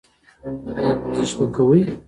ایا ورزش به کوئ؟